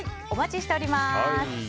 お待ちしております。